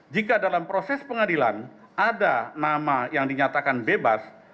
jika dalam proses pengadilan ada nama yang dinyatakan bebas